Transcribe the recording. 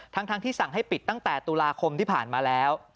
ทั้งที่สั่งให้ปิดตั้งแต่ตุลาคมที่ผ่านมาแล้ว